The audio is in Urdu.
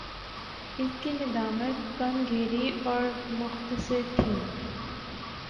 اس کی ندامت کم گہری اور مختصر تھِی